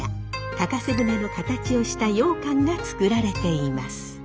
高瀬舟の形をしたようかんが作られています。